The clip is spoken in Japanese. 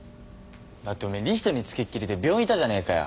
だってお前理人に付きっきりで病院いたじゃねえかよ。